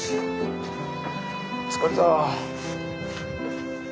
疲れた。